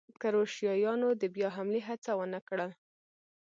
کروشیایانو د بیا حملې هڅه ونه کړل.